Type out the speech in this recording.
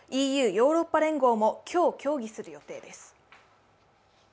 ＥＵ＝ヨーロッパ連合も今日、協議する予定です。